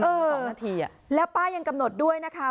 สองนาทีอ่ะแล้วป้ายังกำหนดด้วยนะคะ